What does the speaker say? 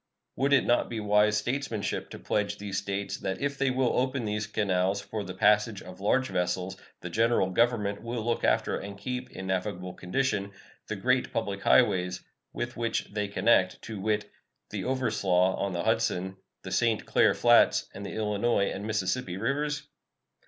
Would it not be wise statesmanship to pledge these States that if they will open these canals for the passage of large vessels the General Government will look after and keep in navigable condition the great public highways with which they connect, to wit, the Overslaugh on the Hudson, the St. Clair Flats, and the Illinois and Mississippi rivers?